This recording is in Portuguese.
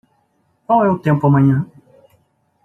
Qual é o tempo amanhã?